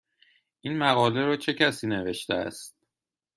این مقاله را چه کسی نوشته است؟